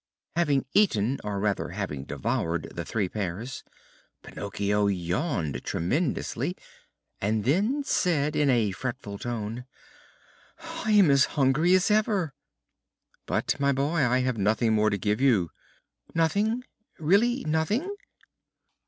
Having eaten, or rather having devoured the three pears, Pinocchio yawned tremendously, and then said in a fretful tone: "I am as hungry as ever!" "But, my boy, I have nothing more to give you!" "Nothing, really nothing?"